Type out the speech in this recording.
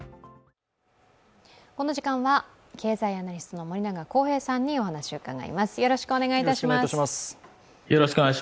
この時間は経済アナリストの森永康平さんにお話を伺います。